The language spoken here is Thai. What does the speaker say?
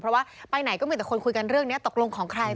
เพราะว่าไปไหนก็มีแต่คนคุยกันเรื่องนี้ตกลงของใคร